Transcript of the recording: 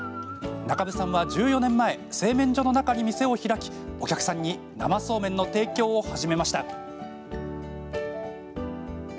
中武さんは、１４年前製麺所の中に店を開きお客さんに生そうめんの提供を始めました。